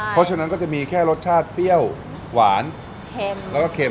เพราะฉะนั้นก็จะมีรสชาติเตรียวหวานและก็เค็ม